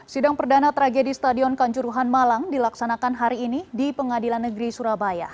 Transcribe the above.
sidang perdana tragedi stadion kanjuruhan malang dilaksanakan hari ini di pengadilan negeri surabaya